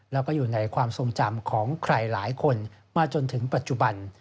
แล้วก็อยู่ในความทรงจำของใครหลายคนมาจนถึงปัจจุบัน